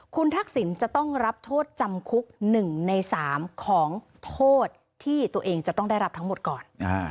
คุณทักษิณจะต้องรับโทษจำคุก๑ใน๓ของโทษที่ตัวเองจะต้องได้รับทั้งหมดก่อน